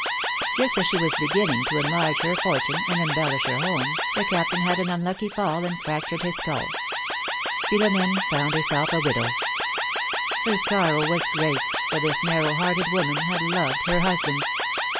Just as she was beginning to enlarge 3 42 PHILOMi^NE's MAIlPvIAGES. her fortune, and embellish her home, the Captain had an unlucky fall and fractured his skull. Philom^ne found herself a widow. Her sorrow was great, for this narrow hearted woman had loved her husband.